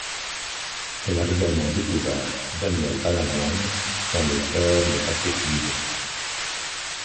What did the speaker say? Elle a également découvert Daniel Balavoine dans les chœurs de Patrick Juvet.